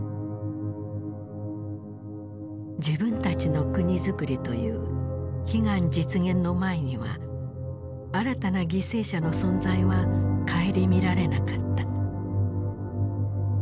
自分たちの国づくりという悲願実現の前には新たな犠牲者の存在は顧みられなかった。